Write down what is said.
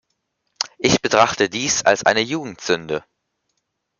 Ich betrachte dies als eine Jugendsünde.